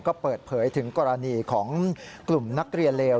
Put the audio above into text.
ก็เปิดเผยถึงกรณีของกลุ่มนักเรียนเลว